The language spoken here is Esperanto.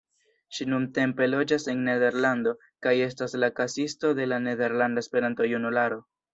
Ŝi nuntempe loĝas en Nederlando kaj estas la kasisto de la Nederlanda Esperanto-Junularo.